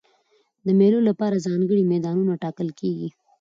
د مېلو له پاره ځانګړي میدانونه ټاکل کېږي.